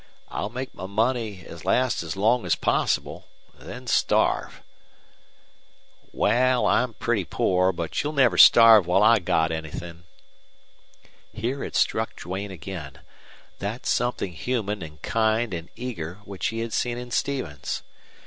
"I'll make my money last as long as possible then starve." "Wal, I'm pretty pore, but you'll never starve while I got anythin'." Here it struck Duane again that something human and kind and eager which he had seen in Stevens.